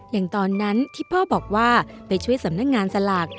อย่างตอนนั้นที่พ่อบอกว่าไปช่วยสำนักงานสลาก